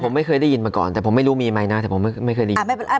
ผมไม่เคยได้ยินมาก่อนแต่ผมไม่รู้มีไหมนะแต่ผมไม่เคยได้ยิน